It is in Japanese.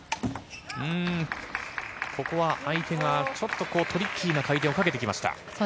ここは相手がちょっとトリッキーな回転をかけてきました。